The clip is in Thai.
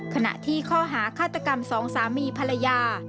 ขณะที่ข้อหาฆาตกรรมสองสามีภรรยา